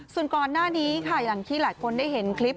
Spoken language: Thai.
ส่วนก่อนหน้านี้ค่ะอย่างที่หลายคนได้เห็นคลิป